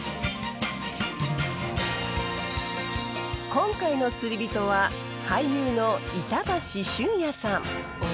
今回の釣りびとは俳優の板橋駿谷さん。